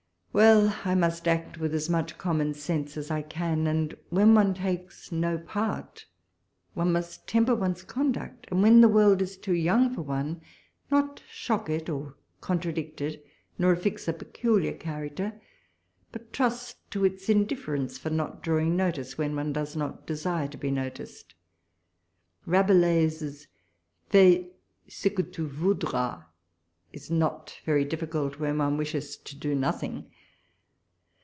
Well ! I must act with as much common sense as I can ; and, when 178 walpole's letters. one takes no part, one must temper one's con duct ; and, when the world is too young for one, not shock it, nor contradict it, nor affix a peculiar character, but trust to its indifference for not drawing notice, when one does not desire to be noticed. Rabelais's " Fais ce que tu voudras " is not very difficult when one wishes to do nothing.